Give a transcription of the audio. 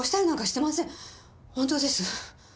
本当です。